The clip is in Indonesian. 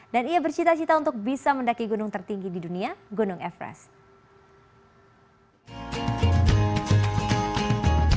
dan ia bercita cita untuk bisa mendaki gunung tertinggi di dunia gunung everest